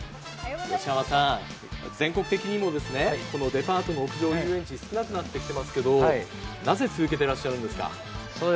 全国的にもデパートの屋上遊園地少なくなってきていますけど、なぜ続けていらっしゃるんですか。